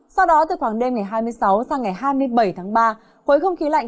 sau đó từ khoảng đêm ngày hai mươi sáu sang ngày hai mươi bảy tháng ba khối không khí lạnh